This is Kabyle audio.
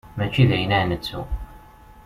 Mačči dayen ara nettu.